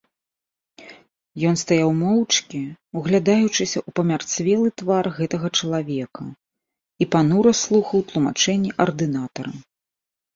Ён стаяў моўчкі, углядаючыся ў памярцвелы твар гэтага чалавека, і панура слухаў тлумачэнні ардынатара.